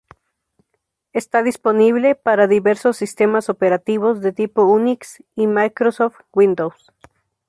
Está disponible para diversos sistemas operativos de tipo Unix y Microsoft Windows.